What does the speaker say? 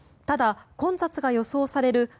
ただ、混雑が予想される